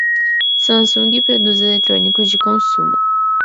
Samsung produz eletrônicos de consumo.